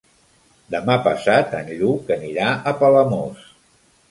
Demà passat en Lluc anirà a Palamós.